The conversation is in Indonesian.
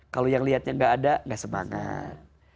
kalau yang liatnya gak ada gak semangat